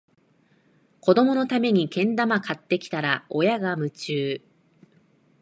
子どものためにけん玉買ってきたら、親が夢中